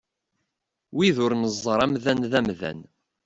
Wid ur neẓẓar amdan d amdan.